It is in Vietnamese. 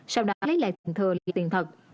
sau đó lấy lại tiền thừa là tiền thật